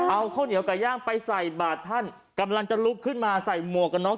เอาข้าวเหนียวไก่ย่างไปใส่บาทท่านกำลังจะลุกขึ้นมาใส่หมวกกันน็อก